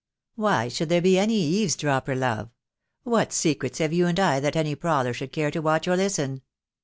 "Why should there be any eavesdropper, love? What secrets have you and I that any prowler should care to 54 THE DAY WILL COME. watch or listen.